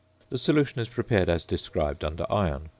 The solution is prepared as described under iron.